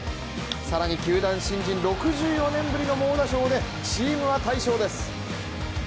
更に球団新人６４年ぶりの猛打賞でチームは大勝です。